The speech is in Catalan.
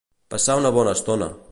Passar una bona estona.